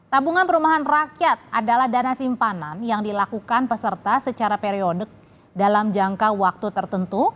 tabungan perumahan rakyat adalah dana simpanan yang dilakukan peserta secara periodik dalam jangka waktu tertentu